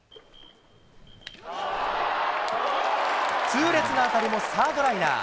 痛烈な当たりもサードライナー。